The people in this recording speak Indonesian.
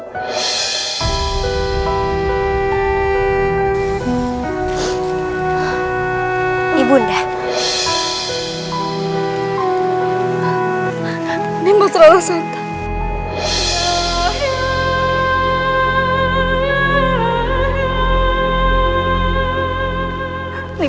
kamu tidak boleh pergi